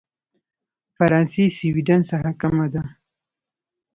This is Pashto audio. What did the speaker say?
فرانسې سوېډن څخه کمه ده.